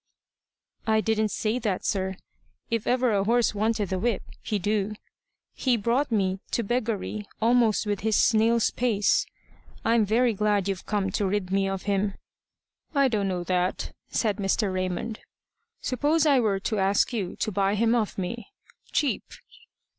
"I didn't say that, sir. If ever a horse wanted the whip, he do. He's brought me to beggary almost with his snail's pace. I'm very glad you've come to rid me of him." "I don't know that," said Mr. Raymond. "Suppose I were to ask you to buy him of me cheap."